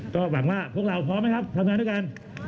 ก็หวังว่าพวกเราพร้อมไหมครับทำงานด้วยกัน